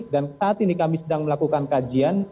dan saat ini kami sedang melakukan kajian